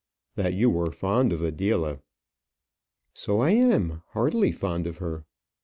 "That you were fond of Adela." "So I am, heartily fond of her."